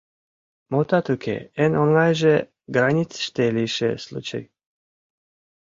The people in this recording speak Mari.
Мутат уке, эн оҥайже — границыште лийше случай.